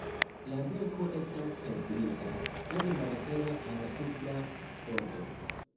La beko estas helgriza, sed malhela en supra bordo.